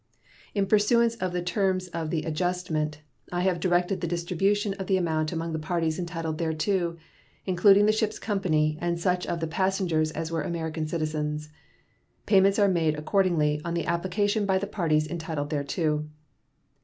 In pursuance of the terms of the adjustment, I have directed the distribution of the amount among the parties entitled thereto, including the ship's company and such of the passengers as were American citizens. Payments are made accordingly, on the application by the parties entitled thereto.